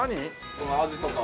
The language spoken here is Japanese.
このアジとか。